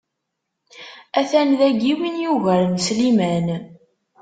A-t-an dagi win yugaren Sliman.